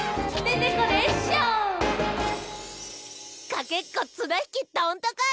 かけっこつなひきどんとこい！